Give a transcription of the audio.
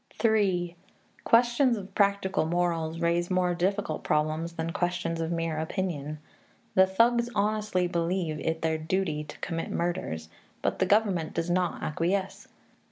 III Questions of practical morals raise more difficult problems than questions of mere opinion. The thugs honestly believe it their duty to commit murders, but the government does not acquiesce.